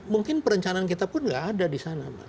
mungkin perencanaan kita pun tidak ada di sana pak